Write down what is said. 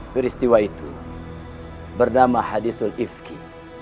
peristiwa itu bernama hadisul ifki